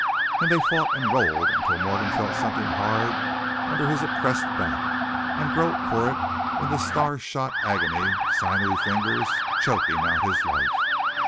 And they fought and rolled until Morgan felt something hard under his oppressed back, and groped for it in the star shot agony of sinewy fingers choking out his life.